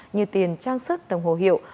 như tiền trang sức đồng hồ hiệu